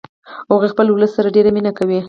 هغوی خپل ولس سره ډیره مینه کوي